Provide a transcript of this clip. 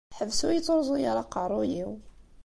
Ḥbes ur yi-ttṛuẓu ara aqeṛṛuy-iw.